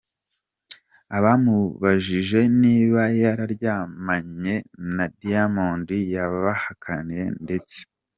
Abamubajije niba yararyamanye na Diamond yabahakaniye ndetse